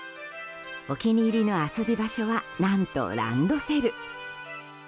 お気に入りの遊び場所は何とランドセル。